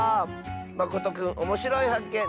まことくんおもしろいはっけん